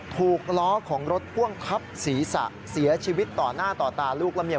ถูกล้อของรถพ่วงทับศีรษะเสียชีวิตต่อหน้าต่อตาลูกและเมีย